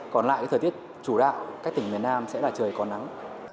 còn lại thời tiết chủ đạo các tỉnh miền nam sẽ là trời có nắng